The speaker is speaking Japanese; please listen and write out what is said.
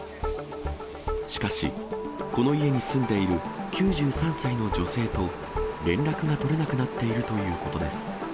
しかし、この家に住んでいる９３歳の女性と連絡が取れなくなっているということです。